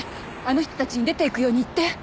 あの人たちに出ていくように言って。